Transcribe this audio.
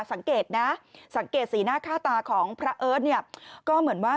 สังเกตนะสังเกตสีหน้าค่าตาของพระเอิร์ทเนี่ยก็เหมือนว่า